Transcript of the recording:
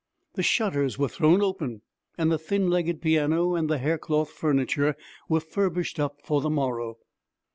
The shutters were thrown open, and the thin legged piano and the haircloth furniture were furbished up for the morrow.